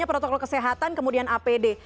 protokol kesehatan kemudian apd